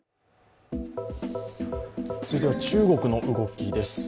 続いては中国の動きです。